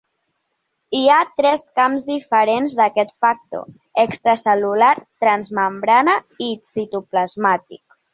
Hi ha tres camps diferents d'aquest factor: extracel·lular, transmembrana i citoplasmàtic.